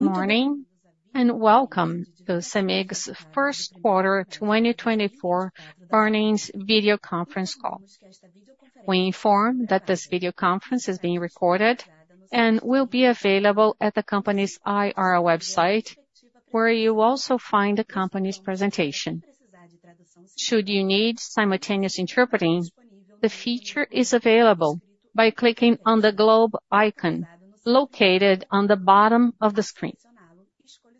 ...Good morning, and welcome to Cemig's first quarter 2024 earnings video conference call. We inform that this video conference is being recorded, and will be available at the company's IR website, where you'll also find the company's presentation. Should you need simultaneous interpreting, the feature is available by clicking on the globe icon located on the bottom of the screen.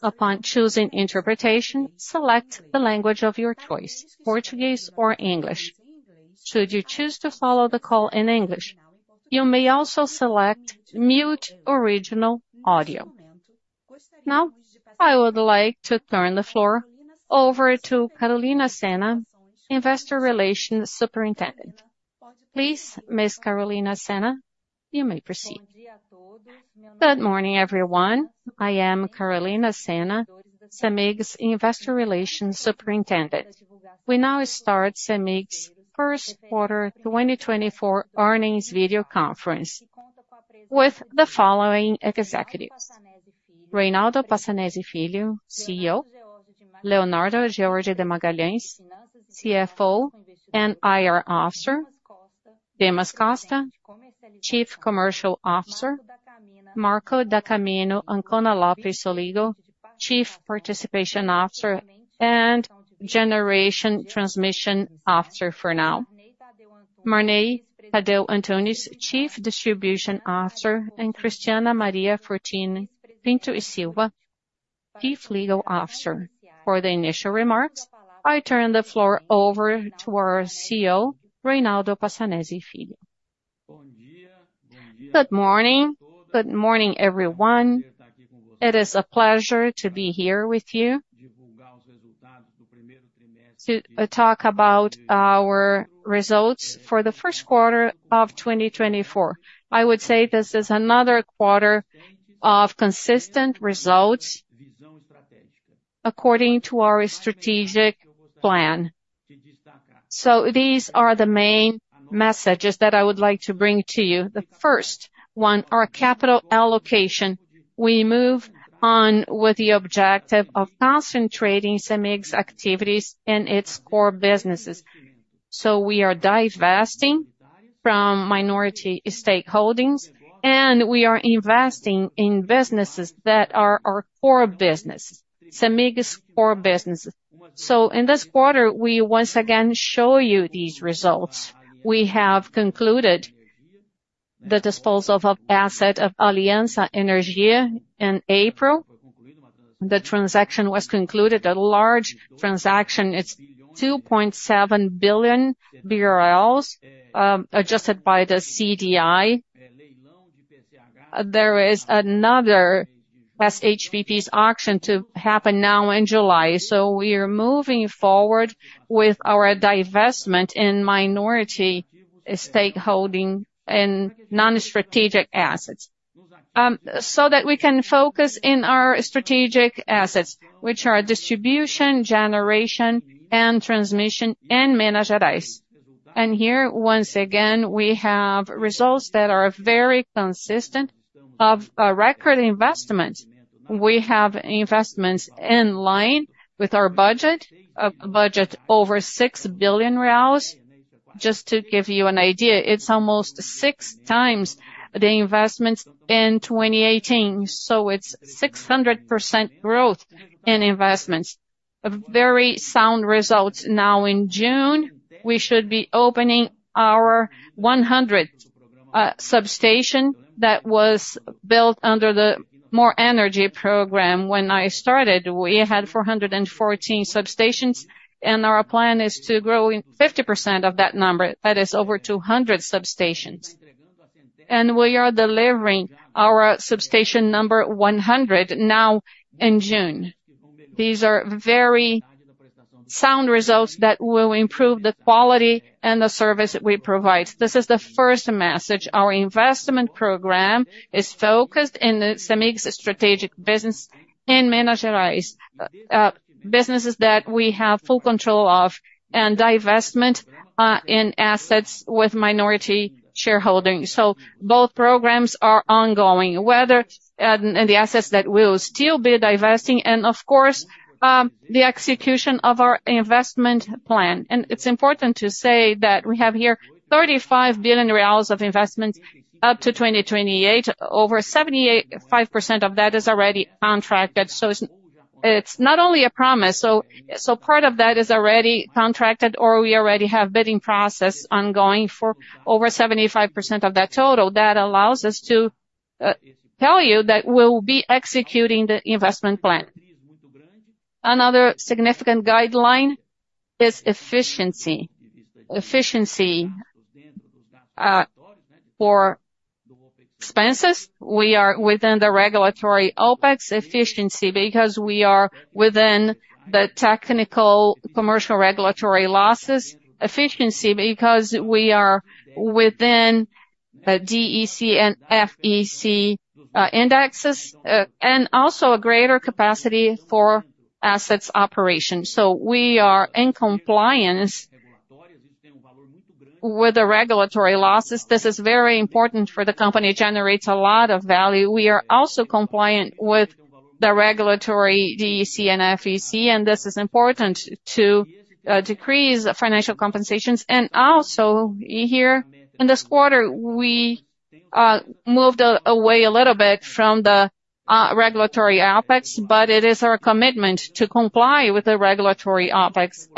Upon choosing interpretation, select the language of your choice, Portuguese or English. Should you choose to follow the call in English, you may also select Mute Original Audio. Now, I would like to turn the floor over to Carolina Senna, Investor Relations Superintendent. Please, Ms. Carolina Senna, you may proceed. Good morning, everyone. I am Carolina Senna, Cemig's Investor Relations Superintendent. We now start Cemig's first quarter 2024 earnings video conference with the following executives: Reynaldo Passanezi Filho, CEO; Leonardo George de Magalhães, CFO and IR Officer; Dimas Costa, Chief Commercial Officer; Marco da Camino Ancona Lopez Soligo, Chief Participation Officer and Generation Transmission Officer for now; Marney Tadeu Antunes, Chief Distribution Officer; and Cristiana Maria Fortini Pinto e Silva, Chief Legal Officer. For the initial remarks, I turn the floor over to our CEO, Reynaldo Passanezi Filho. Good morning. Good morning, everyone. It is a pleasure to be here with you, to talk about our results for the first quarter of 2024. I would say this is another quarter of consistent results according to our strategic plan. These are the main messages that I would like to bring to you. The first one, our capital allocation. We move on with the objective of concentrating Cemig's activities in its core businesses. We are divesting from minority stakeholdings, and we are investing in businesses that are our core business, Cemig's core business. In this quarter, we once again show you these results. We have concluded the disposal of asset of Aliança Energia in April. The transaction was concluded, a large transaction. It's 2.7 billion BRL, adjusted by the CDI. There is another SHPPs auction to happen now in July, so we are moving forward with our divestment in minority stakeholding in non-strategic assets, so that we can focus in our strategic assets, which are distribution, generation, and transmission, and managerialist. Here, once again, we have results that are very consistent of, record investment. We have investments in line with our budget, a budget over 6 billion reais. Just to give you an idea, it's almost 6 times the investments in 2018, so it's 600% growth in investments. A very sound results. Now, in June, we should be opening our 100th substation that was built under the More Energy Program. When I started, we had 414 substations, and our plan is to grow in 50% of that number. That is over 200 substations. And we are delivering our substation number 100 now in June. These are very sound results that will improve the quality and the service we provide. This is the first message. Our investment program is focused in the Cemig's strategic business and managerialist businesses that we have full control of, and divestment in assets with minority shareholding. So both programs are ongoing, whether in the assets that we'll still be divesting and, of course, the execution of our investment plan. And it's important to say that we have here 35 billion reais of investments up to 2028. Over 78.5% of that is already contracted, so it's not only a promise. So part of that is already contracted, or we already have bidding process ongoing for over 75% of that total. That allows us to tell you that we'll be executing the investment plan. Another significant guideline is efficiency. Efficiency for expenses, we are within the regulatory OpEx efficiency because we are within the technical, commercial, regulatory losses. Efficiency, because we are within the DEC and FEC indexes, and also a greater capacity for assets operation. So we are in compliance-... With the regulatory losses, this is very important for the company; it generates a lot of value. We are also compliant with the regulatory DEC and FEC, and this is important to decrease financial compensations. Also, here in this quarter, we moved away a little bit from the regulatory OpEx, but it is our commitment to comply with the regulatory OpEx.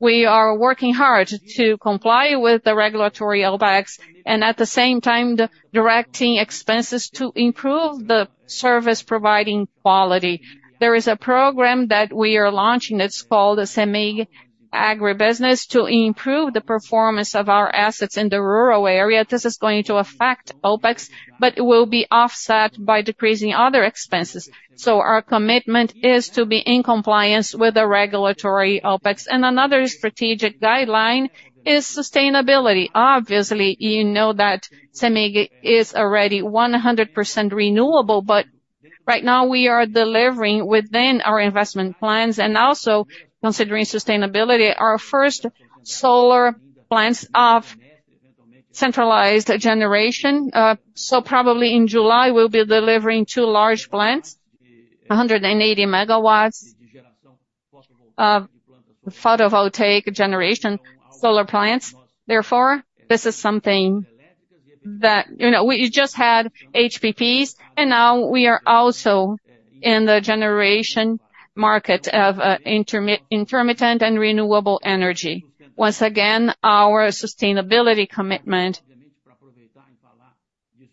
We are working hard to comply with the regulatory OpEx, and at the same time, directing expenses to improve the service providing quality. There is a program that we are launching; it's called Cemig Agribusiness, to improve the performance of our assets in the rural area. This is going to affect OpEx, but it will be offset by decreasing other expenses. So our commitment is to be in compliance with the regulatory OpEx. Another strategic guideline is sustainability. Obviously, you know that Cemig is already 100% renewable, but right now we are delivering within our investment plans, and also considering sustainability, our first solar plants of centralized generation. So probably in July, we'll be delivering two large plants, 180 megawatts of photovoltaic generation solar plants. Therefore, this is something that, you know, we just had HPPs, and now we are also in the generation market of intermittent and renewable energy. Once again, our sustainability commitment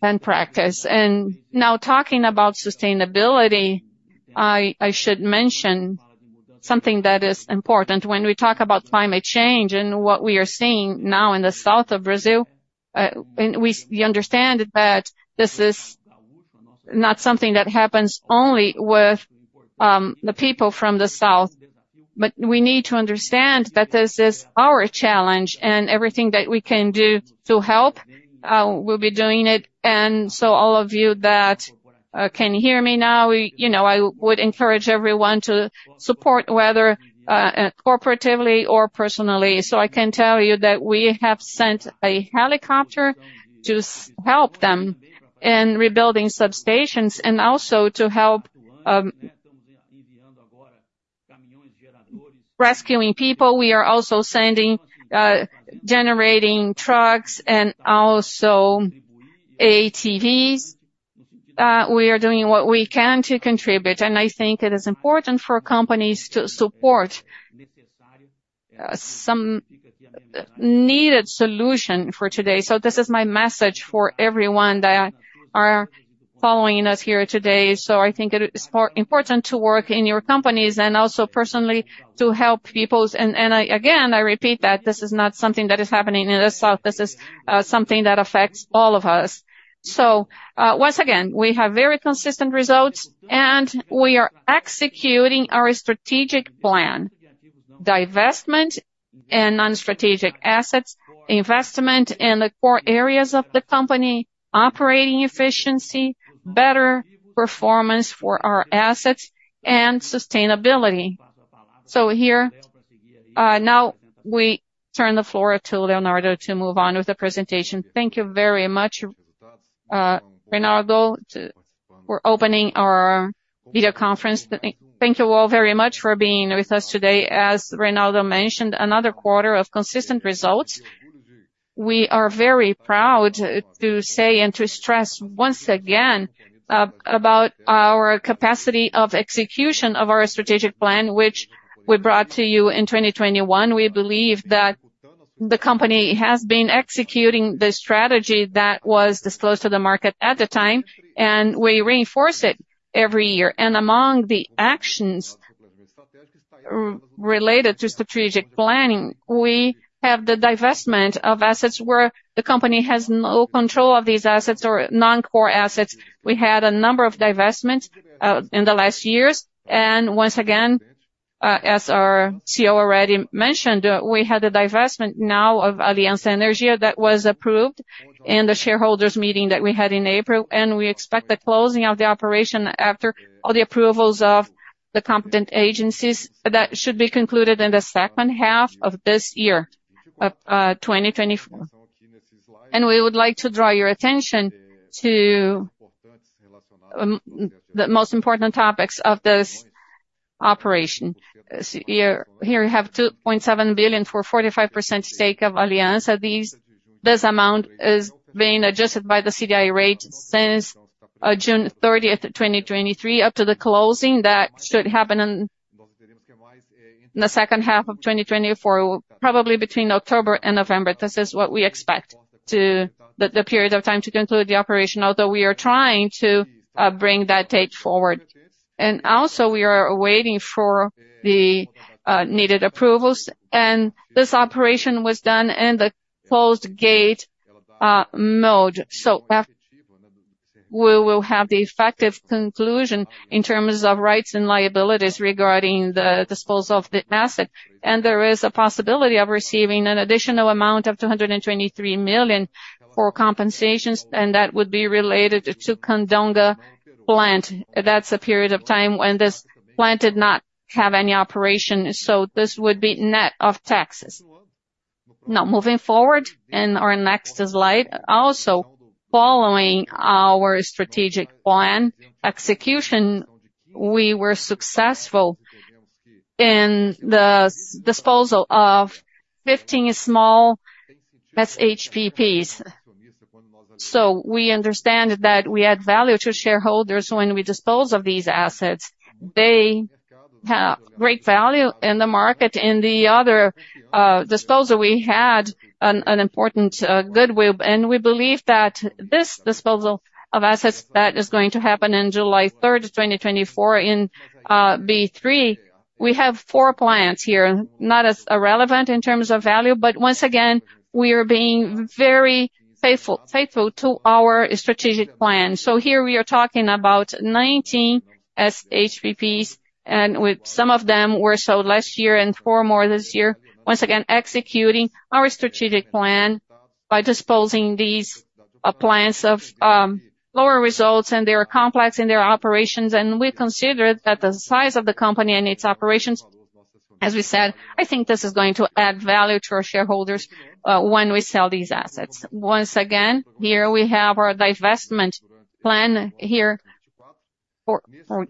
and practice. And now talking about sustainability, I should mention something that is important. When we talk about climate change and what we are seeing now in the south of Brazil, and we understand that this is not something that happens only with the people from the south. But we need to understand that this is our challenge, and everything that we can do to help, we'll be doing it. And so all of you that can hear me now, you know, I would encourage everyone to support, whether corporatively or personally. So I can tell you that we have sent a helicopter to help them in rebuilding substations, and also to help rescuing people. We are also sending generating trucks and also ATVs. We are doing what we can to contribute, and I think it is important for companies to support some needed solution for today. So this is my message for everyone that are following us here today. So I think it is more important to work in your companies and also personally to help people. I again repeat that this is not something that is happening in the south, this is something that affects all of us. So, once again, we have very consistent results, and we are executing our strategic plan: divestment in non-strategic assets, investment in the core areas of the company, operating efficiency, better performance for our assets, and sustainability. So here, now we turn the floor to Leonardo to move on with the presentation. Thank you very much, Reynaldo. We're opening our video conference. Thank you all very much for being with us today. As Reynaldo mentioned, another quarter of consistent results. We are very proud to say and to stress once again about our capacity of execution of our strategic plan, which we brought to you in 2021. We believe that the company has been executing the strategy that was disclosed to the market at the time, and we reinforce it every year. Among the actions related to strategic planning, we have the divestment of assets where the company has no control of these assets or non-core assets. We had a number of divestments in the last years, and once again, as our CEO already mentioned, we had a divestment now of Aliança Energia that was approved in the shareholders meeting that we had in April, and we expect the closing of the operation after all the approvals of the competent agencies. That should be concluded in the second half of this year. We would like to draw your attention to the most important topics of this operation. As here, we have 2.7 billion for 45% stake of Aliança. This amount is being adjusted by the CDI rate since June 30, 2023, up to the closing that should happen in the second half of 2024, probably between October and November. This is what we expect to the period of time to conclude the operation, although we are trying to bring that date forward. And also, we are waiting for the needed approvals, and this operation was done in the closed gate mode. So we will have the effective conclusion in terms of rights and liabilities regarding the disposal of the asset. And there is a possibility of receiving an additional amount of 223 million for compensations, and that would be related to Candonga-... plant, that's a period of time when this plant did not have any operation, so this would be net of taxes. Now, moving forward in our next slide, also following our strategic plan execution, we were successful in the disposal of 15 small SHPPs. So we understand that we add value to shareholders when we dispose of these assets. They have great value in the market. In the other disposal, we had an important goodwill, and we believe that this disposal of assets that is going to happen in July 3rd, 2024 in B3, we have four plants here, not as irrelevant in terms of value, but once again, we are being very faithful to our strategic plan. So here we are talking about 19 SHPPs, and with some of them were sold last year and four more this year. Once again, executing our strategic plan by disposing these plants of lower results, and they are complex in their operations, and we considered that the size of the company and its operations, as we said, I think this is going to add value to our shareholders, when we sell these assets. Once again, here we have our divestment plan here, or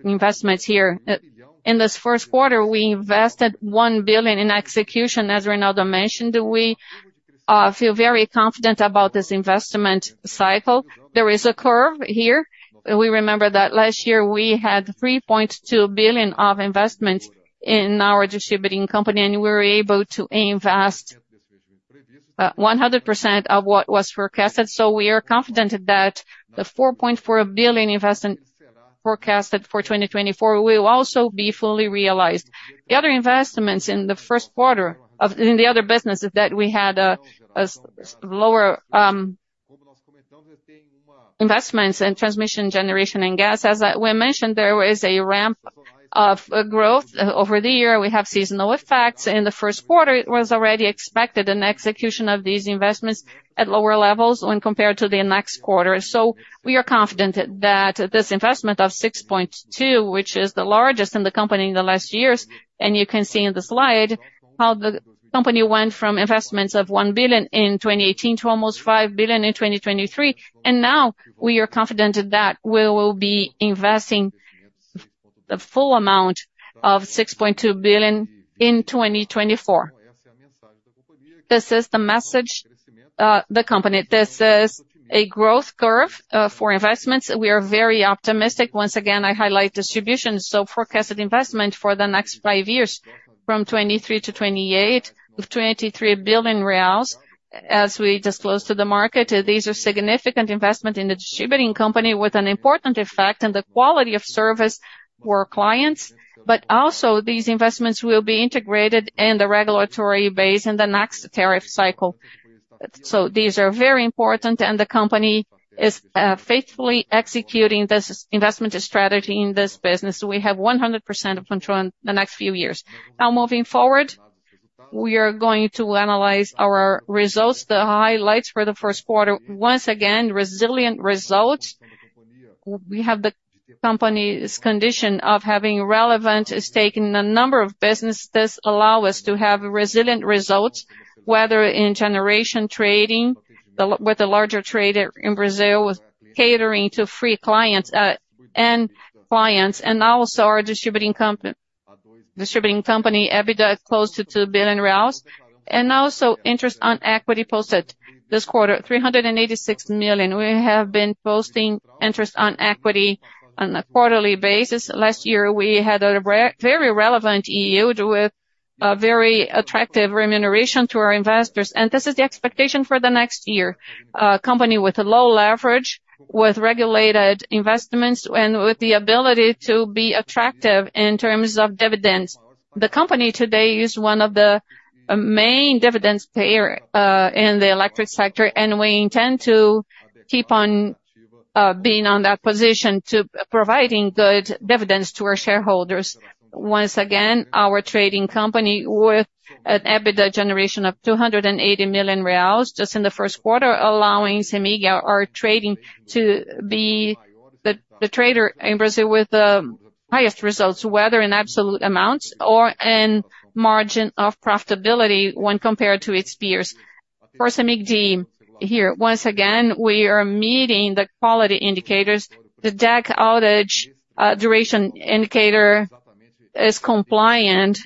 investments here. In this first quarter, we invested 1 billion in execution, as Reynaldo mentioned. We feel very confident about this investment cycle. There is a curve here. We remember that last year we had 3.2 billion of investment in our distributing company, and we were able to invest 100% of what was forecasted. So we are confident that the 4.4 billion investment forecasted for 2024 will also be fully realized. The other investments in the first quarter in the other businesses that we had, slightly lower investments in transmission, generation, and gas. As we mentioned, there was a ramp of growth over the year. We have seasonal effects. In the first quarter, it was already expected an execution of these investments at lower levels when compared to the next quarter. So we are confident that this investment of 6.2 billion, which is the largest in the company in the last years, and you can see in the slide how the company went from investments of 1 billion in 2018 to almost 5 billion in 2023. And now we are confident that we will be investing the full amount of 6.2 billion in 2024. This is the message the company. This is a growth curve for investments. We are very optimistic. Once again, I highlight distribution, so forecasted investment for the next five years, from 2023 to 2028, of 23 billion reais. As we disclose to the market, these are significant investment in the distributing company, with an important effect on the quality of service for clients, but also these investments will be integrated in the regulatory base in the next tariff cycle. So these are very important, and the company is faithfully executing this investment strategy in this business. We have 100% of control in the next few years. Now, moving forward, we are going to analyze our results, the highlights for the first quarter. Once again, resilient results. We have the company's condition of having relevant stake in a number of businesses allow us to have resilient results, whether in generation trading, the largest trader in Brazil, with catering to free clients, end clients, and also our distributing company, EBITDA close to 2 billion reais, and also interest on equity posted this quarter, 386 million. We have been posting interest on equity on a quarterly basis. Last year, we had very relevant yield with a very attractive remuneration to our investors, and this is the expectation for the next year. A company with a low leverage, with regulated investments, and with the ability to be attractive in terms of dividends. The company today is one of the main dividends payer in the electric sector, and we intend to keep on being on that position to providing good dividends to our shareholders. Once again, our trading company, with an EBITDA generation of 280 million reais just in the first quarter, allowing Cemig, our trading, to be the trader in Brazil with the highest results, whether in absolute amounts or in margin of profitability when compared to its peers. For Cemig-D here, once again, we are meeting the quality indicators. The DEC outage duration indicator is compliant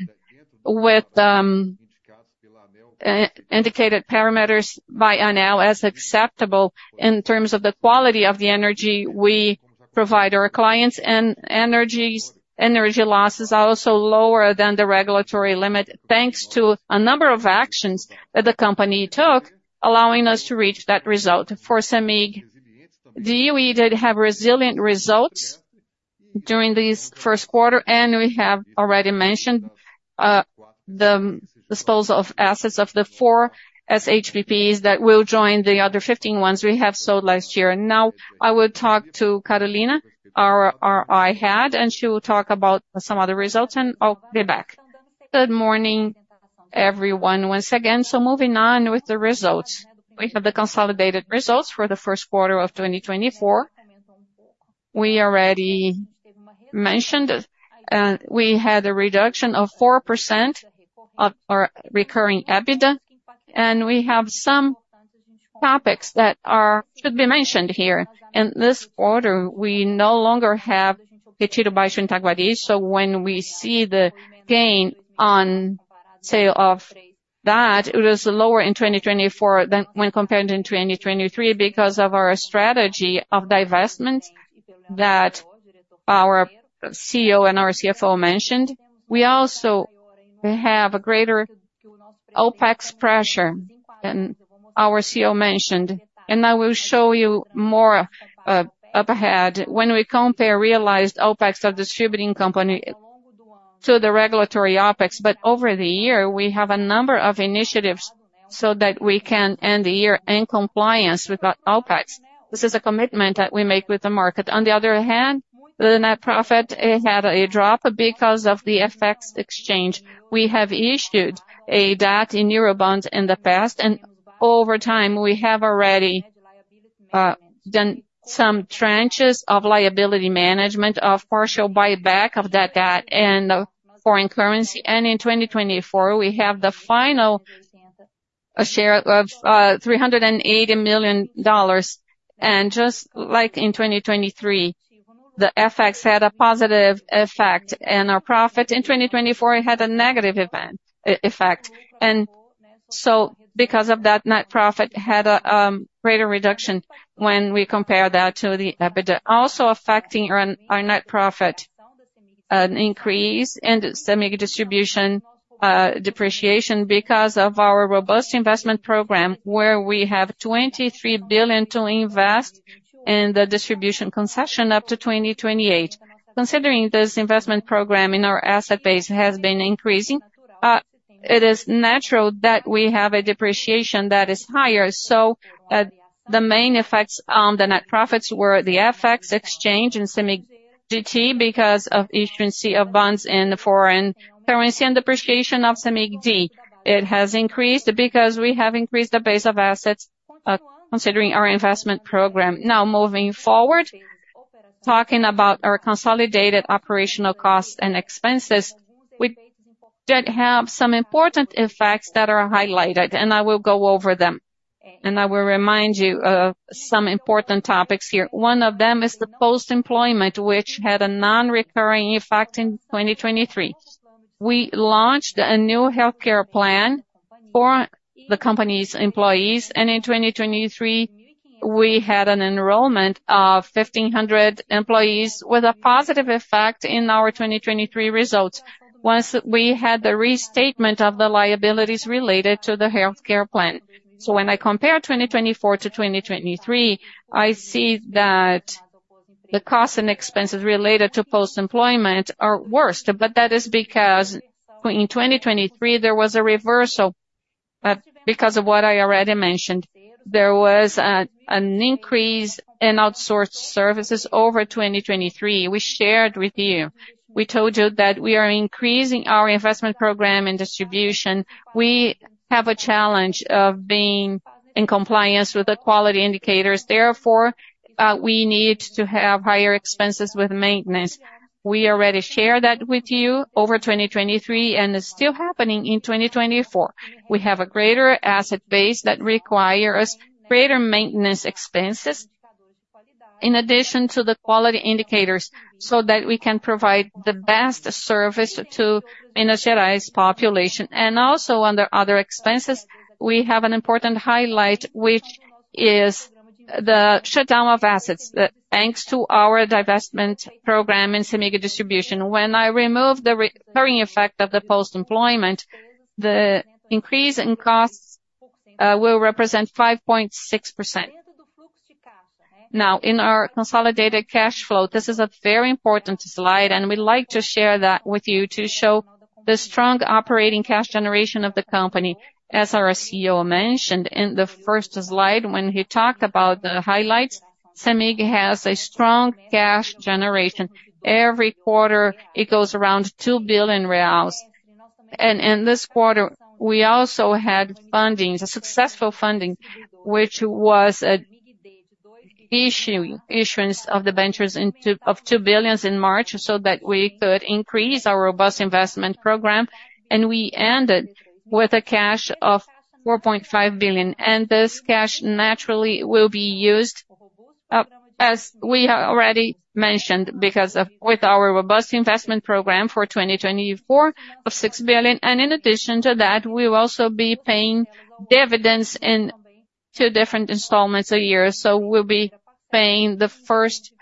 with indicated parameters by ANEEL as acceptable in terms of the quality of the energy we provide our clients, and energy losses are also lower than the regulatory limit, thanks to a number of actions that the company took, allowing us to reach that result. For Cemig D, we did have resilient results during this first quarter, and we have already mentioned the disposal of assets of the four SHPPs that will join the other 15 ones we have sold last year. Now, I will talk to Carolina, our IR Head, and she will talk about some other results, and I'll be back. Good morning! Everyone, once again, so moving on with the results. We have the consolidated results for the first quarter of 2024. We already mentioned, we had a reduction of 4% of our recurring EBITDA, and we have some topics that are, should be mentioned here. In this quarter, we no longer have Retiro Baixo, Baguari, so when we see the gain on sale of that, it was lower in 2024 than when compared in 2023 because of our strategy of divestment that our CEO and our CFO mentioned. We also have a greater OpEx pressure than our CEO mentioned, and I will show you more, up ahead. When we compare realized OpEx of distribution company to the regulatory OpEx, but over the year, we have a number of initiatives so that we can end the year in compliance with our OpEx. This is a commitment that we make with the market. On the other hand, the net profit, it had a drop because of the FX exchange. We have issued a debt in Eurobonds in the past, and over time, we have already done some tranches of liability management, of partial buyback of that debt and foreign currency. And in 2024, we have the final share of $380 million. And just like in 2023, the FX had a positive effect, and our profit in 2024, it had a negative effect. And so because of that, net profit had a greater reduction when we compare that to the EBITDA. Also affecting our net profit, an increase in the Cemig distribution depreciation because of our robust investment program, where we have 23 billion to invest in the distribution concession up to 2028. Considering this investment program in our asset base has been increasing, it is natural that we have a depreciation that is higher. So, the main effects on the net profits were the FX exchange in Cemig GT, because of issuance of bonds in the foreign currency and depreciation of Cemig D. It has increased because we have increased the base of assets, considering our investment program. Now, moving forward, talking about our consolidated operational costs and expenses, we did have some important effects that are highlighted, and I will go over them. I will remind you of some important topics here. One of them is the post-employment, which had a non-recurring effect in 2023. We launched a new healthcare plan for the company's employees, and in 2023, we had an enrollment of 1,500 employees with a positive effect in our 2023 results. Once we had the restatement of the liabilities related to the healthcare plan. So when I compare 2024 to 2023, I see that the costs and expenses related to post-employment are worse, but that is because in 2023, there was a reversal. Because of what I already mentioned, there was an increase in outsourced services over 2023. We shared with you. We told you that we are increasing our investment program in distribution. We have a challenge of being in compliance with the quality indicators. Therefore, we need to have higher expenses with maintenance. We already shared that with you over 2023, and it's still happening in 2024. We have a greater asset base that requires greater maintenance expenses, in addition to the quality indicators, so that we can provide the best service to Minas Gerais population. Also, under other expenses, we have an important highlight, which is the shutdown of assets, thanks to our divestment program in Cemig Distribution. When I remove the recurring effect of the post-employment, the increase in costs will represent 5.6%. Now, in our consolidated cash flow, this is a very important slide, and we'd like to share that with you to show the strong operating cash generation of the company. As our CEO mentioned in the first slide, when he talked about the highlights, Cemig has a strong cash generation. Every quarter, it goes around 2 billion reais. And in this quarter, we also had fundings, a successful funding, which was an issuing, issuance of debentures in two-- of 2 billion in March, so that we could increase our robust investment program, and we ended with a cash of 4.5 billion. This cash naturally will be used, as we have already mentioned, because with our robust investment program for 2024 of 6 billion. In addition to that, we will also be paying dividends in two different installments a year. So we'll be paying the first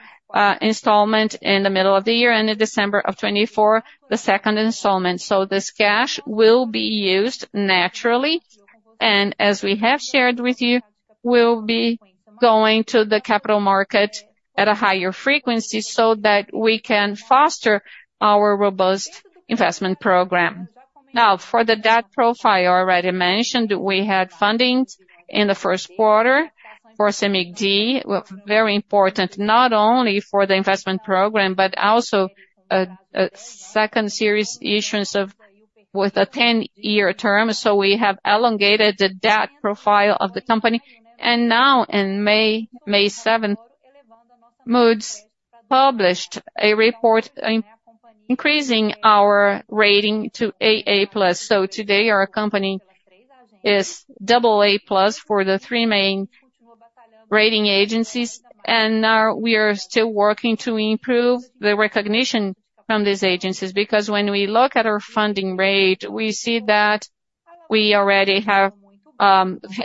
installment in the middle of the year, and in December of 2024, the second installment. So this cash will be used naturally, and as we have shared with you, we'll be going to the capital market at a higher frequency so that we can foster our robust investment program. Now, for the debt profile, I already mentioned, we had fundings in the first quarter for Cemig D. Very important, not only for the investment program, but also a second series issuance with a 10-year term, so we have elongated the debt profile of the company. Now in May, May seventh, Moody's published a report increasing our rating to AA plus. So today, our company is double A plus for the three main rating agencies, and we are still working to improve the recognition from these agencies. Because when we look at our funding rate, we see that we already have,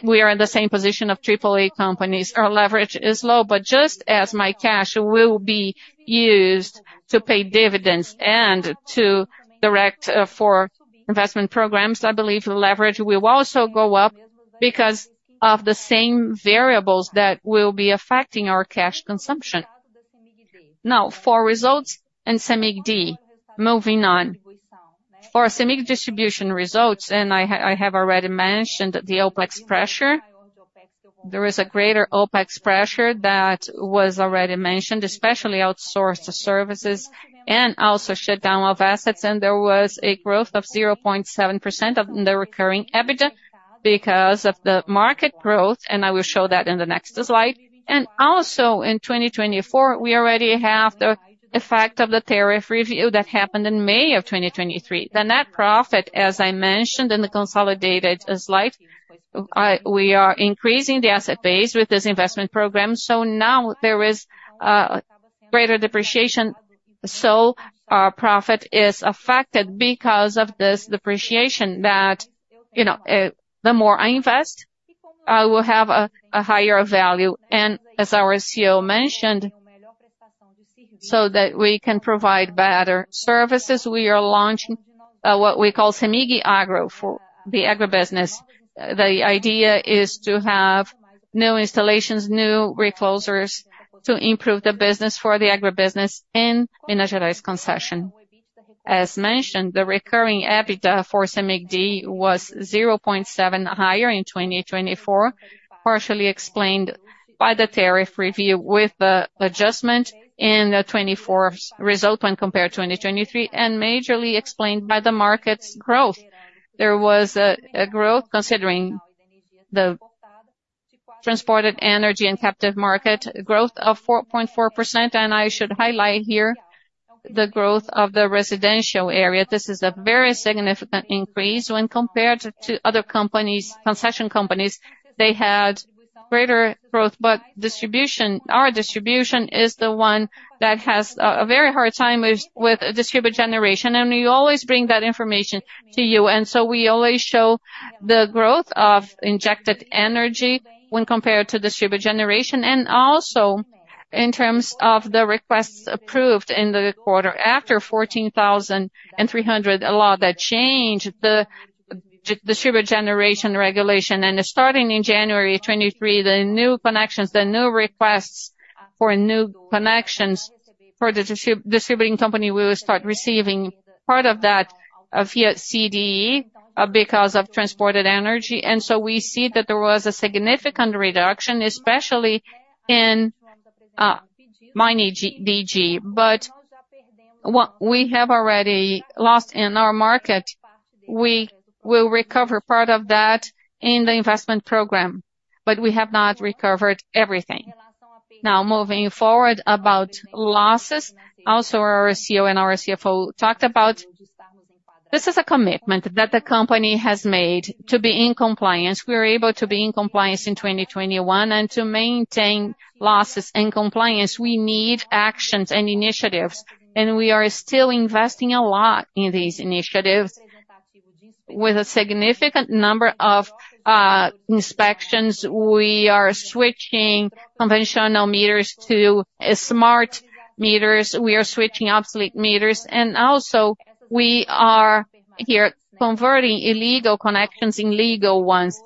we are in the same position of triple A companies. Our leverage is low, but just as my cash will be used to pay dividends and to direct, for investment programs, I believe the leverage will also go up because of the same variables that will be affecting our cash consumption. Now, for results in Cemig D, moving on. For Cemig distribution results, and I have already mentioned the OpEx pressure. There is a greater OpEx pressure that was already mentioned, especially outsourced services and also shutdown of assets, and there was a growth of 0.7% of the recurring EBITDA because of the market growth, and I will show that in the next slide. Also in 2024, we already have the effect of the tariff review that happened in May of 2023. The net profit, as I mentioned in the consolidated slide, we are increasing the asset base with this investment program, so now there is greater depreciation. So our profit is affected because of this depreciation that, you know, the more I invest, I will have a higher value. And as our CEO mentioned, so that we can provide better services, we are launching what we call Cemig Agro for the agribusiness. The idea is to have new installations, new reclosers, to improve the business for the agribusiness in Minas Gerais concession. As mentioned, the recurring EBITDA for Cemig D was 0.7 higher in 2024, partially explained by the tariff review, with the adjustment in the 2024's result when compared to 2023, and majorly explained by the market's growth. There was a growth, considering the transported energy and captive market, growth of 4.4%, and I should highlight here the growth of the residential area. This is a very significant increase when compared to other companies, concession companies. They had greater growth, but distribution, our distribution is the one that has a very hard time with distributed generation, and we always bring that information to you. And so we always show the growth of injected energy when compared to distributed generation. Also in terms of the requests approved in the quarter after 14,300, a law that changed the distributed generation regulation. Starting in January 2023, the new connections, the new requests for new connections for the distributing company, we will start receiving part of that via CDE because of transported energy. So we see that there was a significant reduction, especially in mini DG. But what we have already lost in our market, we will recover part of that in the investment program, but we have not recovered everything. Now, moving forward about losses, also our CEO and our CFO talked about this; this is a commitment that the company has made to be in compliance. We are able to be in compliance in 2021, and to maintain losses and compliance, we need actions and initiatives, and we are still investing a lot in these initiatives. With a significant number of inspections, we are switching conventional meters to smart meters, we are switching obsolete meters, and also we are here converting illegal connections in legal ones.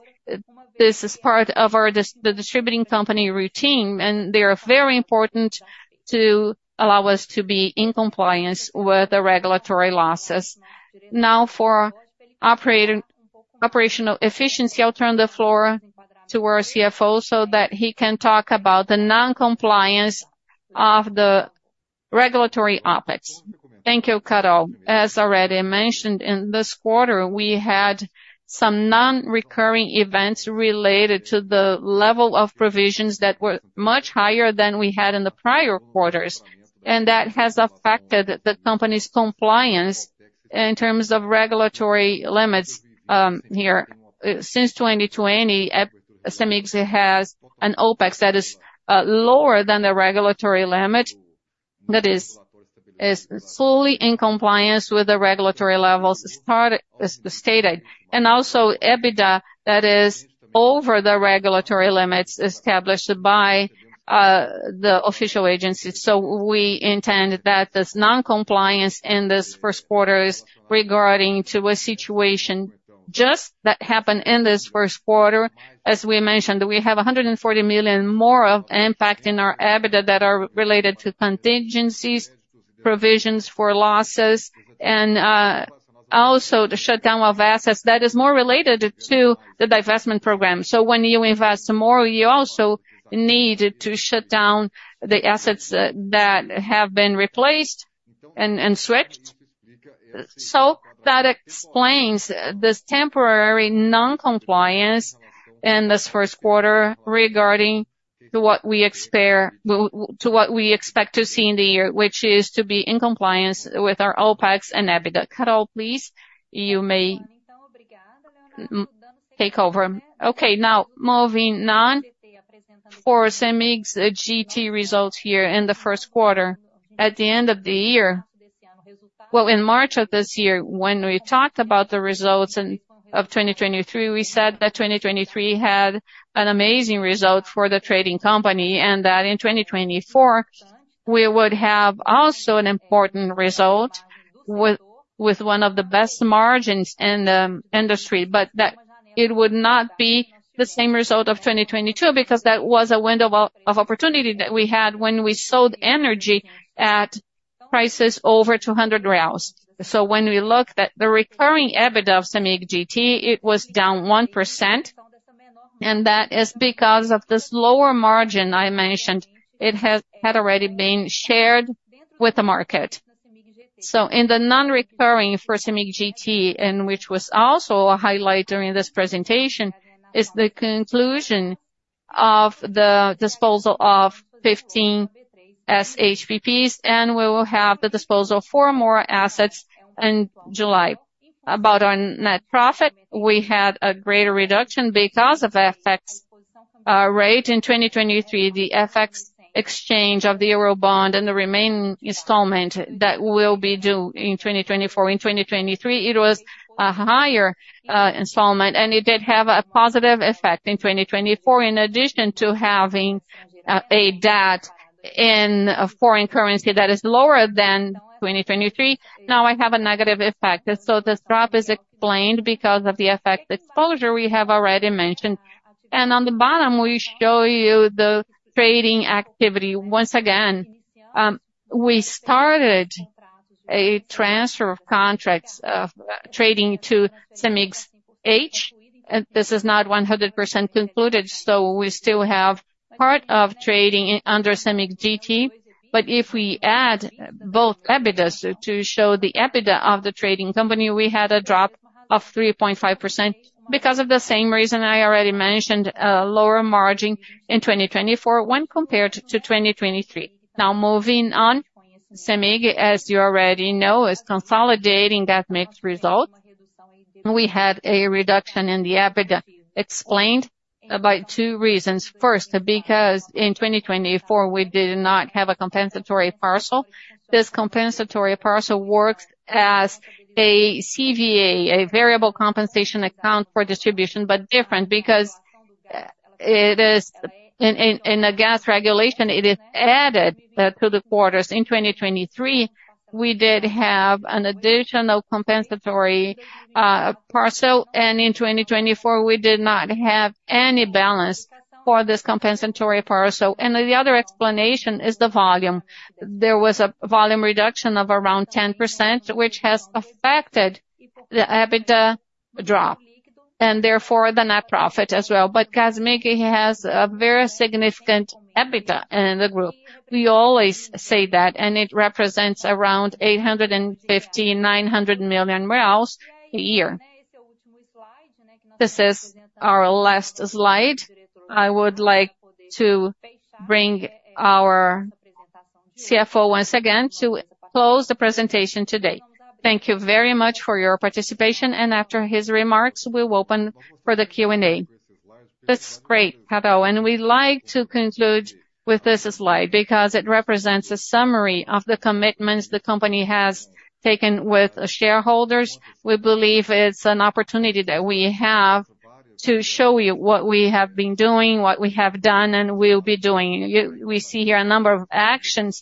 This is part of our distribution company routine, and they are very important to allow us to be in compliance with the regulatory losses. Now for operational efficiency, I'll turn the floor to our CFO so that he can talk about the non-compliance of the regulatory OpEx. Thank you, Carol. As already mentioned, in this quarter, we had some non-recurring events related to the level of provisions that were much higher than we had in the prior quarters, and that has affected the company's compliance in terms of regulatory limits here. Since 2020, Cemig has an OpEx that is lower than the regulatory limit. That is fully in compliance with the regulatory levels as part—as stated, and also EBITDA that is over the regulatory limits established by the official agency. So we intend that this non-compliance in this first quarter is regarding to a situation just that happened in this first quarter. As we mentioned, we have 140 million more of impact in our EBITDA that are related to contingencies, provisions for losses, and also the shutdown of assets that is more related to the divestment program. So when you invest more, you also need to shut down the assets that have been replaced and switched. So that explains this temporary non-compliance in this first quarter regarding to what we expect to see in the year, which is to be in compliance with our OpEx and EBITDA. Carol, please, you may take over. Okay, now, moving on for Cemig's GT results here in the first quarter. At the end of the year—Well, in March of this year, when we talked about the results in, of 2023, we said that 2023 had an amazing result for the trading company, and that in 2024, we would have also an important result with, with one of the best margins in the industry, but that it would not be the same result of 2022, because that was a window of, of opportunity that we had when we sold energy at prices over 200 reais. So when we look at the recurring EBITDA of Cemig GT, it was down 1%, and that is because of this lower margin I mentioned. It has, had already been shared with the market. So in the non-recurring for Cemig GT, and which was also a highlight during this presentation, is the conclusion of the disposal of 15 SHPPs, and we will have the disposal of four more assets in July. About our net profit, we had a greater reduction because of FX rate. In 2023, the FX exchange of the euro bond and the remaining installment that will be due in 2024. In 2023, it was a higher installment, and it did have a positive effect in 2024. In addition to having a debt in a foreign currency that is lower than 2023, now I have a negative effect. So this drop is explained because of the effect exposure we have already mentioned. And on the bottom, we show you the trading activity. Once again, we started a transfer of contracts of trading to Cemig's GT. This is not 100% concluded, so we still have part of trading in under Cemig GT. But if we add both EBITDA, so to show the EBITDA of the trading company, we had a drop of 3.5% because of the same reason I already mentioned, lower margin in 2024 when compared to 2023. Now moving on, Cemig, as you already know, is consolidating that mixed result. We had a reduction in the EBITDA, explained by two reasons. First, because in 2024, we did not have a compensatory parcel. This compensatory parcel works as a CVA, a variable compensation account for distribution, but different because it is in a gas regulation, it is added to the quarters. In 2023, we did have an additional compensatory parcel, and in 2024, we did not have any balance for this compensatory parcel. The other explanation is the volume. There was a volume reduction of around 10%, which has affected the EBITDA drop, and therefore the net profit as well. But Cemig has a very significant EBITDA in the group. We always say that, and it represents around 850 million-900 million reais a year. This is our last slide. I would like to bring our CFO once again to close the presentation today. Thank you very much for your participation, and after his remarks, we'll open for the Q&A. That's great, Pablo, and we'd like to conclude with this slide because it represents a summary of the commitments the company has taken with the shareholders. We believe it's an opportunity that we have to show you what we have been doing, what we have done, and will be doing. We see here a number of actions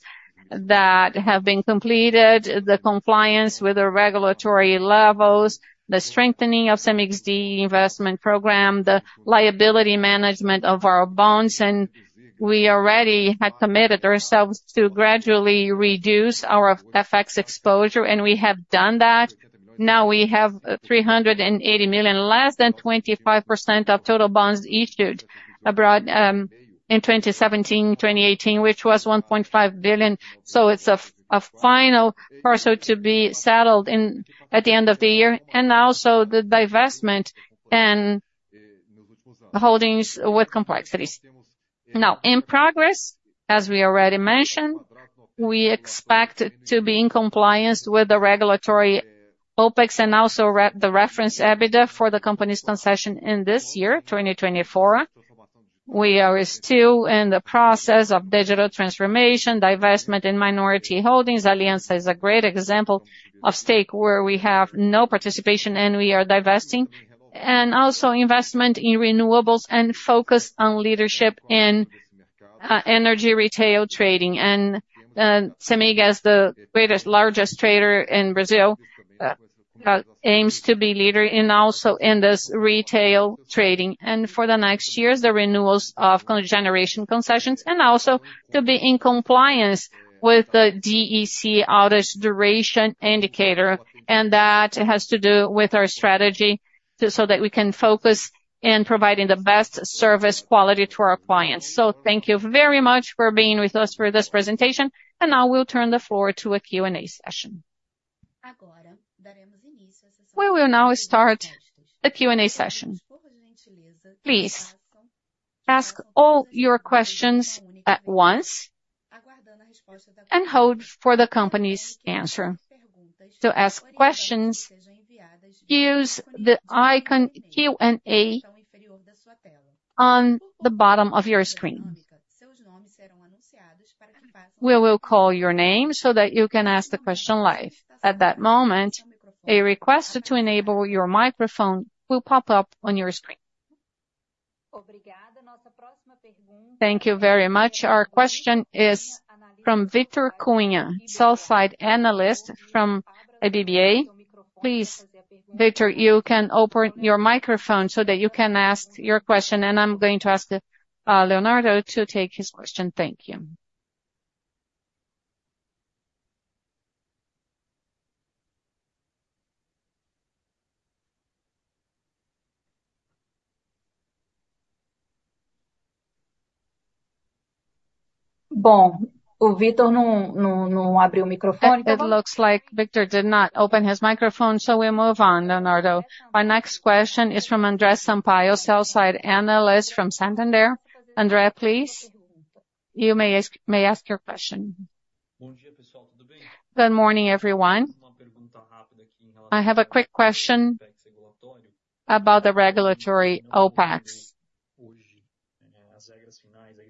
that have been completed, the compliance with the regulatory levels, the strengthening of Cemig's investment program, the liability management of our bonds, and we already had committed ourselves to gradually reduce our FX exposure, and we have done that. Now we have $380 million, less than 25% of total bonds issued abroad, in 2017, 2018, which was $1.5 billion. So it's a final parcel to be settled in, at the end of the year, and also the divestment and the holdings with complexities. Now, in progress, as we already mentioned, we expect to be in compliance with the regulatory OpEx and also the reference EBITDA for the company's concession in this year, 2024. We are still in the process of digital transformation, divestment in minority holdings. Aliança is a great example of stake where we have no participation and we are divesting, and also investment in renewables and focus on leadership in energy retail trading. And Cemig, as the greatest, largest trader in Brazil, aims to be leader in also in this retail trading. And for the next years, the renewals of generation concessions, and also to be in compliance with the DEC outage duration indicator, and that has to do with our strategy, so that we can focus in providing the best service quality to our clients. So thank you very much for being with us for this presentation, and now we'll turn the floor to a Q&A session. We will now start the Q&A session. Please ask all your questions at once, and hold for the company's answer. To ask questions, use the icon Q&A on the bottom of your screen. We will call your name so that you can ask the question live. At that moment, a request to enable your microphone will pop up on your screen. Thank you very much. Our question is from Victor Cunha, sell-side analyst from Itaú BBA. Please, Victor, you can open your microphone so that you can ask your question, and I'm going to ask Leonardo to take his question. Thank you. It looks like Victor did not open his microphone, so we move on, Leonardo. Our next question is from André Sampaio, sell-side analyst from Santander. André, please, you may ask your question. Good morning, everyone. I have a quick question about the regulatory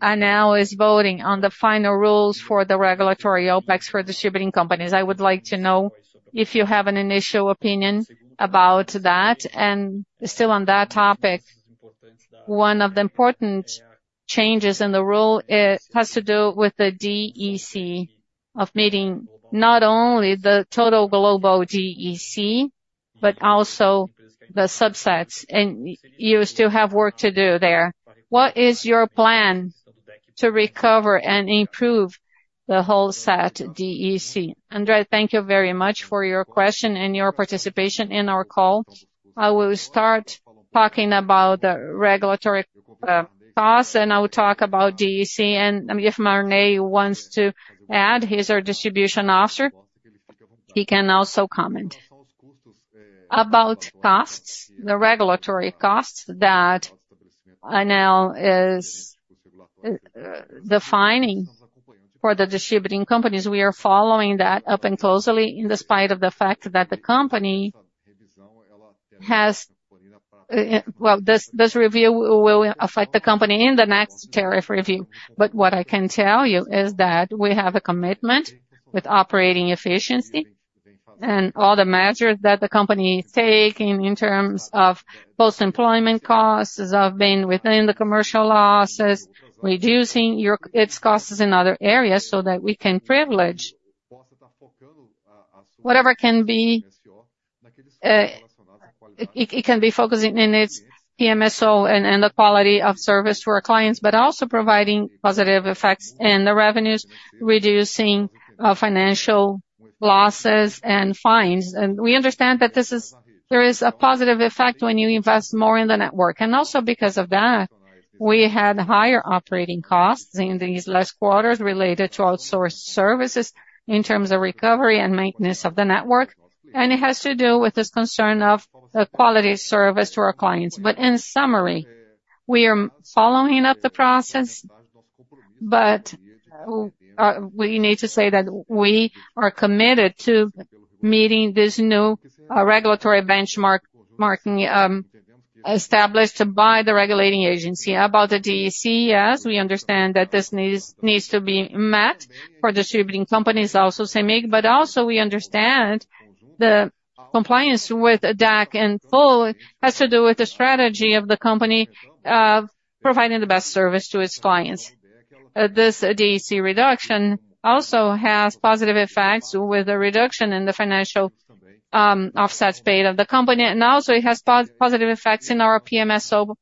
OpEx. ANEEL is voting on the final rules for the regulatory OpEx for distribution companies. I would like to know if you have an initial opinion about that. And still on that topic, one of the important changes in the rule, it has to do with the DEC of meeting not only the total global DEC, but also the subsets, and you still have work to do there. What is your plan to recover and improve the whole set DEC? André, thank you very much for your question and your participation in our call. I will start talking about the regulatory costs, and I will talk about DEC. If Marney wants to add, he's our distribution officer, he can also comment. About costs, the regulatory costs that ANEEL is defining for the distributing companies, we are following that up and closely in spite of the fact that the company has... Well, this review will affect the company in the next tariff review. But what I can tell you is that we have a commitment with operating efficiency and all the measures that the company is taking in terms of post-employment costs, of being within the commercial losses, reducing its costs in other areas so that we can privilege whatever can be, it can be focusing in its PMSO and the quality of service to our clients, but also providing positive effects in the revenues, reducing financial losses and fines. And we understand that this is, there is a positive effect when you invest more in the network. Also because of that, we had higher operating costs in these last quarters related to outsourced services in terms of recovery and maintenance of the network, and it has to do with this concern of the quality of service to our clients. But in summary, we are following up the process, but we need to say that we are committed to meeting this new regulatory benchmark marking established by the regulating agency. About the DEC, yes, we understand that this needs to be met for distributing companies, also CEMIG. But also, we understand the compliance with DAC in full has to do with the strategy of the company providing the best service to its clients. This DEC reduction also has positive effects with a reduction in the financial offsets paid of the company, and also it has positive effects in our PMSO.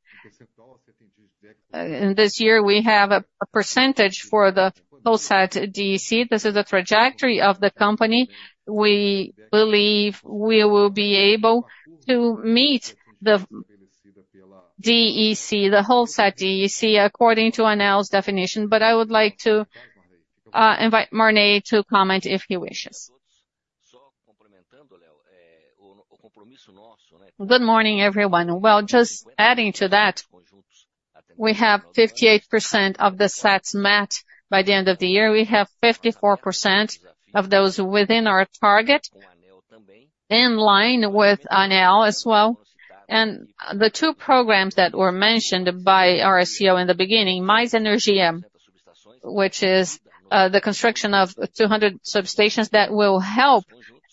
In this year, we have a percentage for the whole set DEC. This is the trajectory of the company. We believe we will be able to meet the DEC, the whole set DEC, according to ANEEL's definition. But I would like to invite Marney to comment, if he wishes. Good morning, everyone. Well, just adding to that, we have 58% of the sets met by the end of the year. We have 54% of those within our target, in line with ANEEL as well. The two programs that were mentioned by our CEO in the beginning, Mais Energia, which is the construction of 200 substations that will help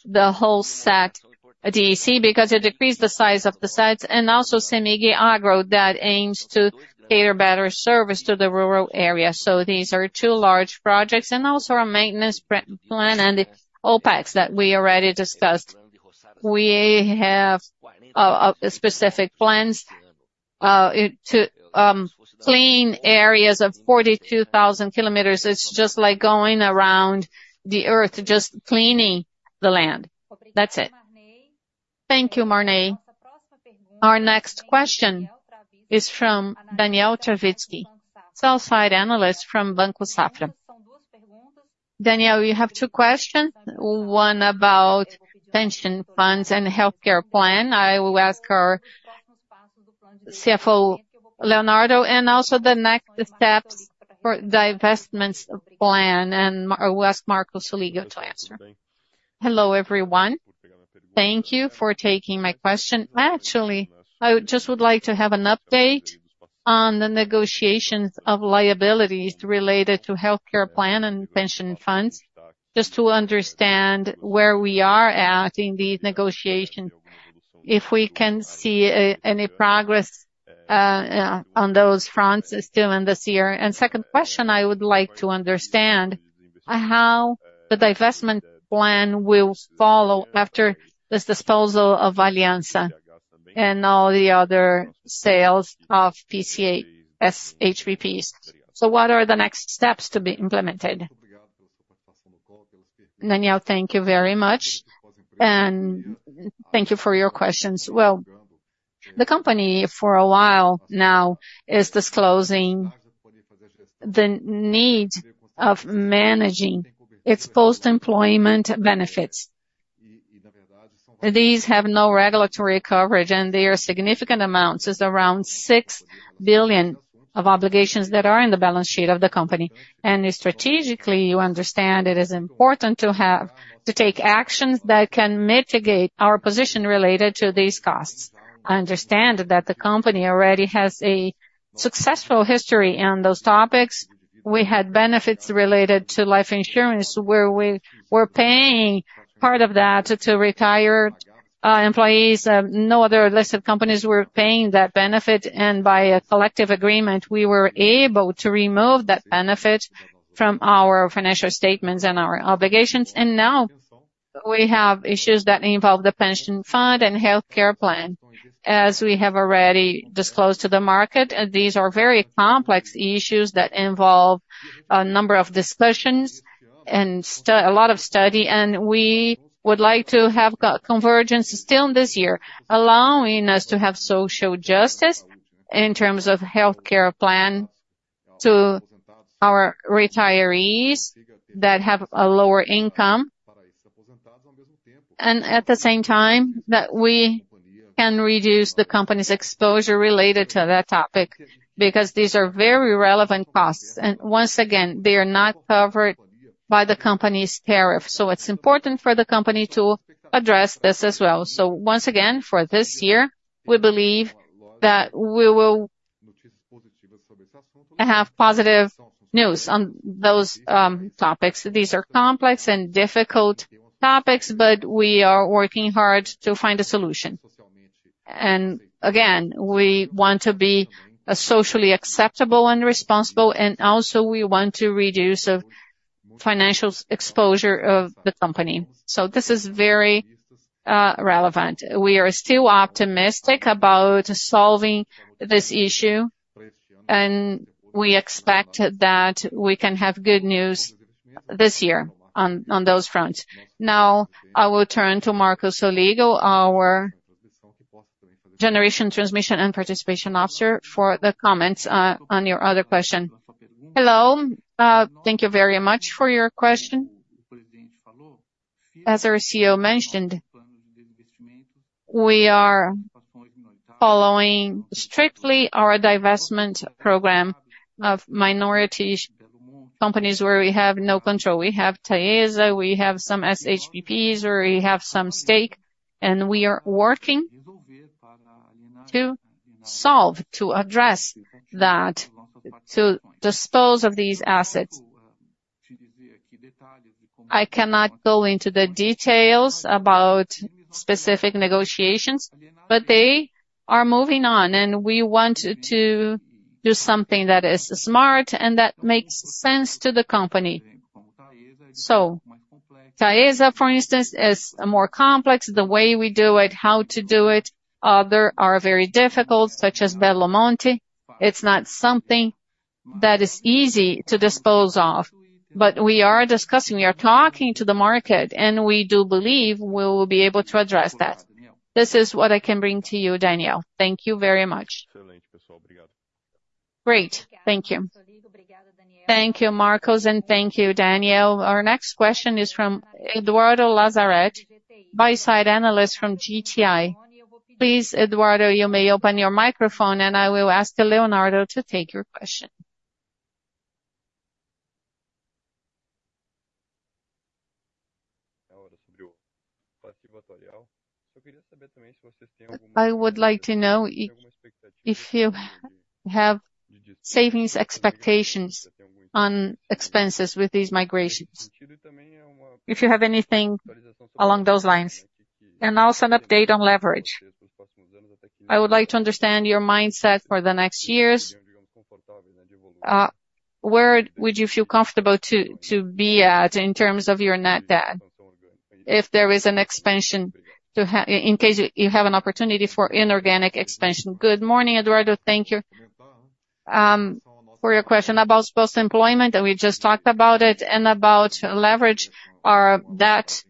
the whole set DEC, because it decreased the size of the sets, and also Cemig Agro, that aims to cater better service to the rural area. So these are two large projects, and also our maintenance plan and the OpEx that we already discussed. We have specific plans to clean areas of 42,000 kilometers. It's just like going around the Earth, just cleaning the land. That's it. Thank you, Marney. Our next question is from Daniel Travitzky, sell-side analyst from Banco Safra. Daniel, you have two questions, one about pension funds and healthcare plan. I will ask our CFO, Leonardo, and also the next steps for the divestments plan, and we'll ask Marco Soligo to answer. Hello, everyone. Thank you for taking my question. Actually, I just would like to have an update on the negotiations of liabilities related to healthcare plan and pension funds, just to understand where we are at in the negotiation, if we can see any progress on those fronts still in this year. Second question, I would like to understand how the divestment plan will follow after this disposal of Aliança and all the other sales of PCA SHPPs. So what are the next steps to be implemented? Daniel, thank you very much, and thank you for your questions. Well, the company, for a while now, is disclosing the need of managing its post-employment benefits. These have no regulatory coverage, and they are significant amounts. It's around 6 billion of obligations that are in the balance sheet of the company. Strategically, you understand it is important to have to take actions that can mitigate our position related to these costs. I understand that the company already has a successful history on those topics. We had benefits related to life insurance, where we were paying part of that to retired employees. No other listed companies were paying that benefit, and by a collective agreement, we were able to remove that benefit from our financial statements and our obligations. Now we have issues that involve the pension fund and healthcare plan. As we have already disclosed to the market, these are very complex issues that involve a number of discussions and a lot of study, and we would like to have convergence still this year, allowing us to have social justice in terms of healthcare plan to our retirees that have a lower income, and at the same time, that we can reduce the company's exposure related to that topic, because these are very relevant costs. Once again, they are not covered by the company's tariff. It's important for the company to address this as well. Once again, for this year, we believe that we will have positive news on those topics. These are complex and difficult topics, but we are working hard to find a solution. And again, we want to be, socially acceptable and responsible, and also we want to reduce the financial exposure of the company. So this is very, relevant. We are still optimistic about solving this issue, and we expect that we can have good news this year on, on those fronts. Now, I will turn to Marco da Camino Ancona Lopez Soligo, our Generation, Transmission, and Participation Officer, for the comments, on your other question. Hello. Thank you very much for your question. As our CEO mentioned, we are following strictly our divestment program of minority companies where we have no control. We have Taesa, we have some SHPPs, where we have some stake, and we are working to solve, to address that, to dispose of these assets. I cannot go into the details about specific negotiations, but they are moving on, and we want to do something that is smart and that makes sense to the company. So Taesa, for instance, is more complex. The way we do it, how to do it, there are very difficult, such as Belo Monte. It's not something that is easy to dispose of, but we are discussing, we are talking to the market, and we do believe we will be able to address that. This is what I can bring to you, Daniel. Thank you very much. Great. Thank you. Thank you, Marcos, and thank you, Daniel. Our next question is from Eduardo Lazzaretti, Buy-side Analyst from GTI. Please, Eduardo, you may open your microphone, and I will ask Leonardo to take your question. I would like to know if you have savings expectations on expenses with these migrations, if you have anything along those lines, and also an update on leverage. I would like to understand your mindset for the next years. Where would you feel comfortable to be at in terms of your net debt, if there is an expansion to in case you have an opportunity for inorganic expansion? Good morning, Eduardo. Thank you.... For your question about supposed employment, and we just talked about it, and about leverage, our debt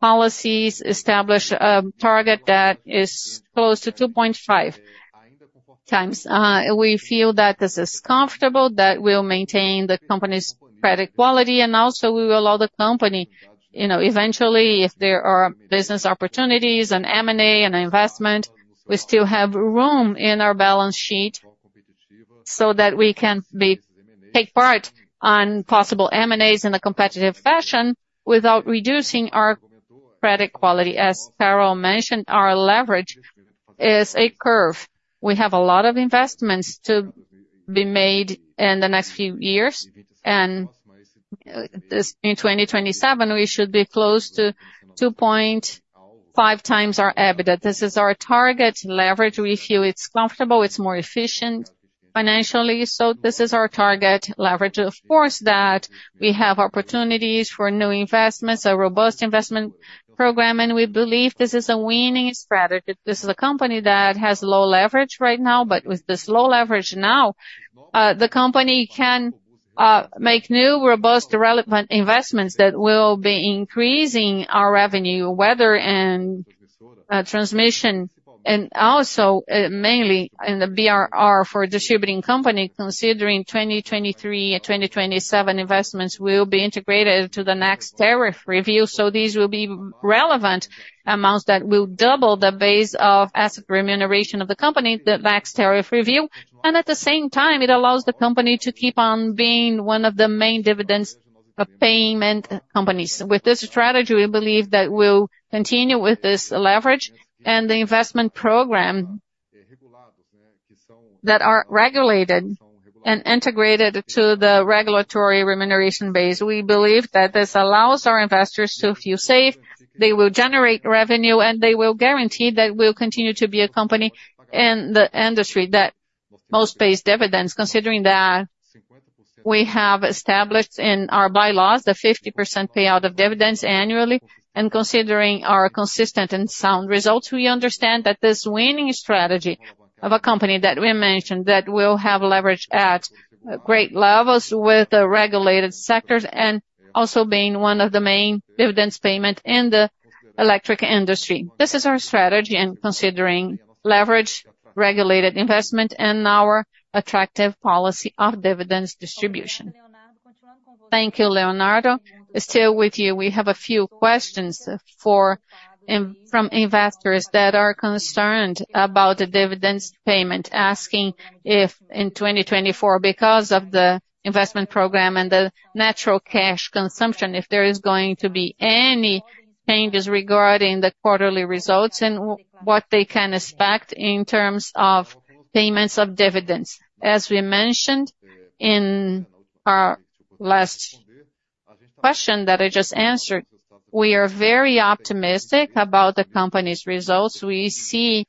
policies establish a target that is close to 2.5 times. We feel that this is comfortable, that will maintain the company's credit quality, and also we will allow the company, you know, eventually, if there are business opportunities, an M&A, and an investment, we still have room in our balance sheet so that we can take part on possible M&As in a competitive fashion without reducing our credit quality. As Carol mentioned, our leverage is a curve. We have a lot of investments to be made in the next few years, and this in 2027, we should be close to 2.5 times our EBITDA. This is our target leverage. We feel it's comfortable, it's more efficient financially, so this is our target leverage. Of course, that we have opportunities for new investments, a robust investment program, and we believe this is a winning strategy. This is a company that has low leverage right now, but with this low leverage now, the company can make new, robust, relevant investments that will be increasing our revenue, whether in transmission, and also mainly in the BRL for distribution company, considering 2023 and 2027 investments will be integrated to the next tariff review. So these will be relevant amounts that will double the base of asset remuneration of the company, the next tariff review. At the same time, it allows the company to keep on being one of the main dividends payment companies. With this strategy, we believe that we'll continue with this leverage and the investment program that are regulated and integrated to the regulatory remuneration base. We believe that this allows our investors to feel safe, they will generate revenue, and they will guarantee that we'll continue to be a company in the industry that most pays dividends. Considering that we have established in our bylaws the 50% payout of dividends annually, and considering our consistent and sound results, we understand that this winning strategy of a company that we mentioned, that will have leverage at great levels with the regulated sectors, and also being one of the main dividends payment in the electric industry. This is our strategy, and considering leverage, regulated investment, and our attractive policy of dividends distribution. Thank you, Leonardo. Still with you, we have a few questions from investors that are concerned about the dividends payment, asking if in 2024, because of the investment program and the natural cash consumption, if there is going to be any changes regarding the quarterly results, and what they can expect in terms of payments of dividends. As we mentioned in our last question that I just answered, we are very optimistic about the company's results. We see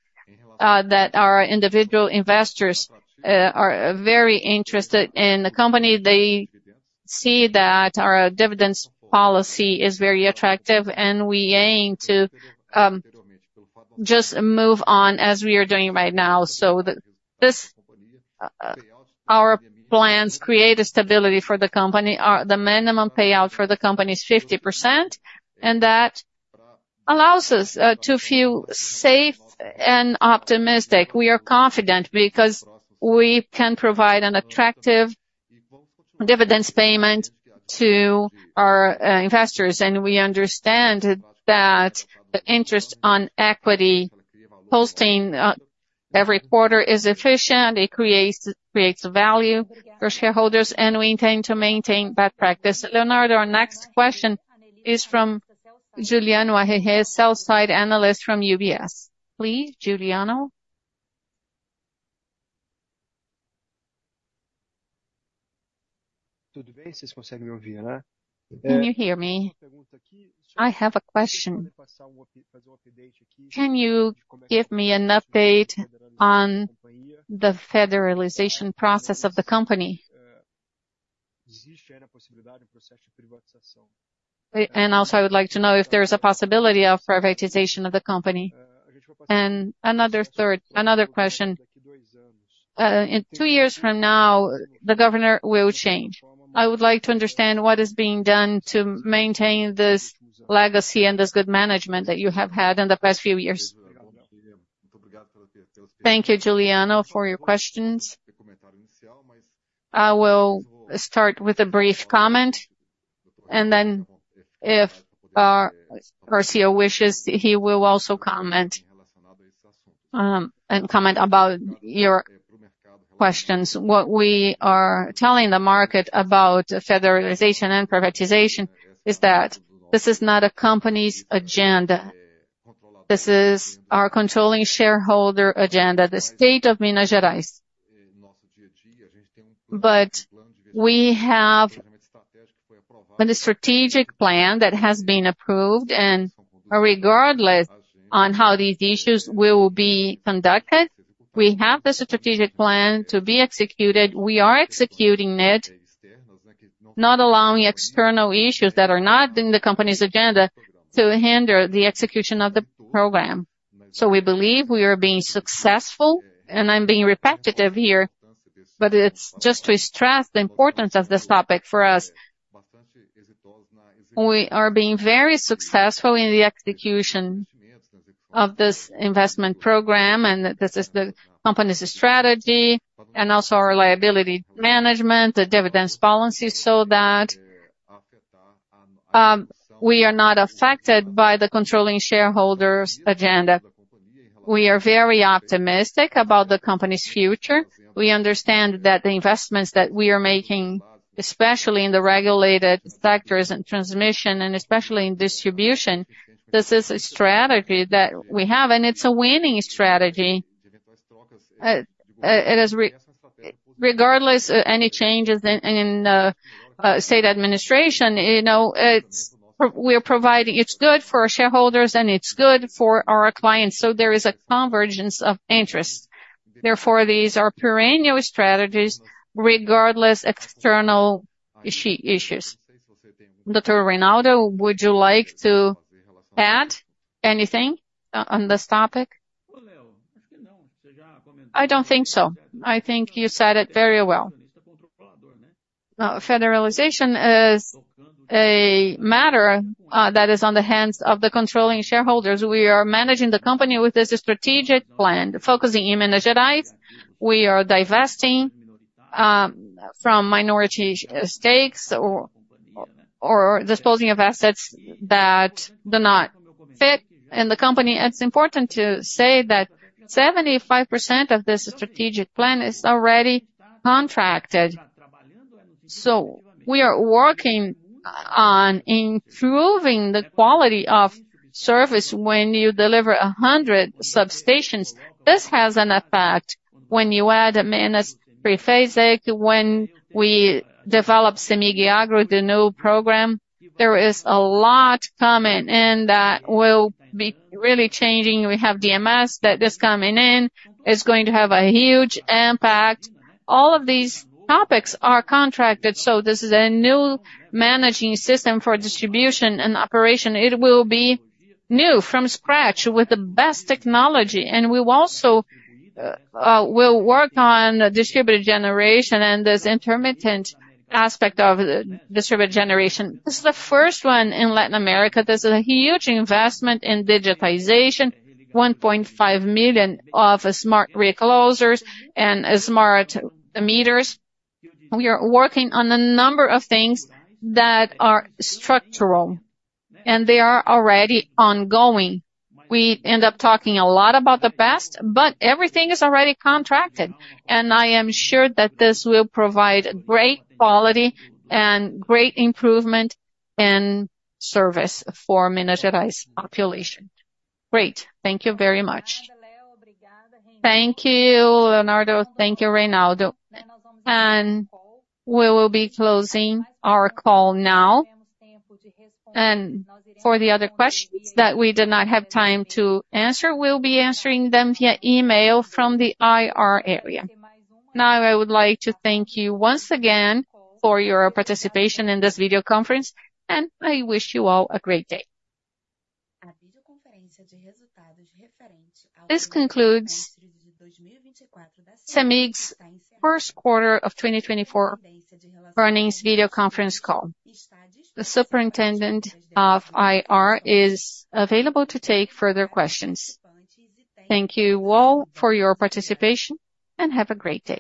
that our individual investors are very interested in the company. They see that our dividends policy is very attractive, and we aim to just move on as we are doing right now. So this our plans create a stability for the company. The minimum payout for the company is 50%, and that allows us to feel safe and optimistic. We are confident because we can provide an attractive dividends payment to our investors, and we understand that the interest on equity posting every quarter is efficient. It creates value for shareholders, and we intend to maintain that practice. Leonardo, our next question is from Giuliano Ajeje, sell-side analyst from UBS. Please, Giuliano? Can you hear me? I have a question. Can you give me an update on the federalization process of the company? And also, I would like to know if there is a possibility of privatization of the company. And another question, in two years from now, the governor will change. I would like to understand what is being done to maintain this legacy and this good management that you have had in the past few years. Thank you, Giuliano, for your questions. I will start with a brief comment, and then if our CEO wishes, he will also comment and comment about your questions. What we are telling the market about federalization and privatization is that this is not a company's agenda. This is our controlling shareholder agenda, the state of Minas Gerais. But we have a strategic plan that has been approved, and regardless on how these issues will be conducted, we have the strategic plan to be executed. We are executing it, not allowing external issues that are not in the company's agenda to hinder the execution of the program. So we believe we are being successful, and I'm being repetitive here, but it's just to stress the importance of this topic for us. We are being very successful in the execution of this investment program, and this is the company's strategy and also our liability management, the dividends policy, so that we are not affected by the controlling shareholders' agenda. We are very optimistic about the company's future. We understand that the investments that we are making, especially in the regulated sectors and transmission, and especially in distribution, this is a strategy that we have, and it's a winning strategy. It is regardless any changes in state administration, you know, we are providing. It's good for our shareholders, and it's good for our clients, so there is a convergence of interest. Therefore, these are perennial strategies, regardless external issues. Dr. Reynaldo, would you like to add anything on this topic? I don't think so. I think you said it very well. Federalization is a matter that is on the hands of the controlling shareholders. We are managing the company with this strategic plan, focusing in Minas Gerais. We are divesting from minority stakes or disposing of assets that do not fit in the company. It's important to say that 75% of this strategic plan is already contracted. We are working on improving the quality of service when you deliver 100 substations. This has an effect when you add Minas Trifásico, when we developed Cemig Agro, the new program. There is a lot coming in that will be really changing. We have DMS that is coming in. It's going to have a huge impact. All of these topics are contracted, so this is a new managing system for distribution and operation. It will be new from scratch with the best technology. And we also will work on distributed generation and this intermittent aspect of the distributed generation. This is the first one in Latin America. There's a huge investment in digitization, 1.5 million of smart reclosers and smart meters. We are working on a number of things that are structural, and they are already ongoing. We end up talking a lot about the past, but everything is already contracted. And I am sure that this will provide great quality and great improvement in service for Minas Gerais' population. Great. Thank you very much. Thank you, Leonardo. Thank you, Reynaldo. And we will be closing our call now. And for the other questions that we did not have time to answer, we'll be answering them via email from the IR area. Now, I would like to thank you once again for your participation in this video conference, and I wish you all a great day. This concludes Cemig's first quarter of 2024 earnings video conference call. The Superintendent of IR is available to take further questions. Thank you all for your participation, and have a great day.